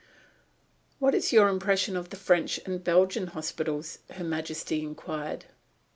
"What is your impression of the French and Belgian hospitals?" Her Majesty inquired.